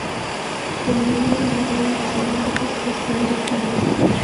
Promedio del largo de los elementos vasculares mediano.